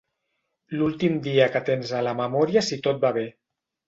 L'últim dia que tens a la memòria si tot va bé.